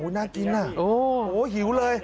โหน่ากินอ่ะโหหิวเลย